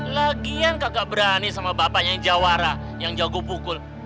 lagian kakak berani sama bapaknya yang jawara yang jago pukul